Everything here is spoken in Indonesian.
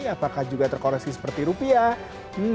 apakah juga terkoreksi seperti rupiah